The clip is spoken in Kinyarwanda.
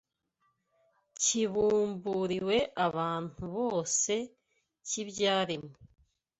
kibumburiwe abantu bose cy’ibyaremwe